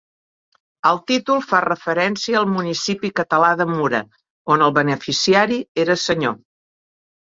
El títol fa referència al municipi català de Mura, on el beneficiari era senyor.